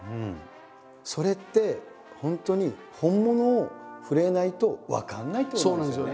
それって本当に本物を触れないと分かんないってことなんですよね。